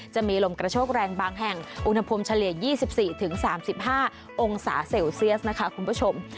จะมีลมกระโชกแรงบางแห่งอุณหภูมิเฉลี่ย๒๔๓๕องศาเซลเซียสนะคะคุณผู้ชม